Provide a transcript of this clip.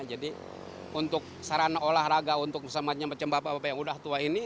jadi untuk sarana olahraga untuk semacam bapak bapak yang udah tua ini